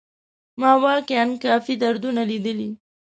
ما واقيعا کافي دردونه ليدلي.